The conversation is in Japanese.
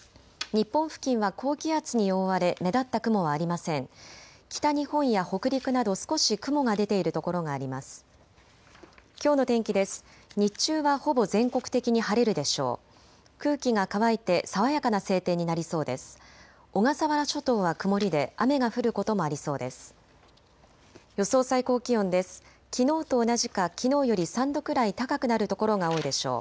日中はほぼ全国的に晴れるでしょう。